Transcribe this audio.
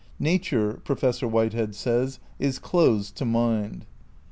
"Nature," Professor Whitehead says, "is closed to mind."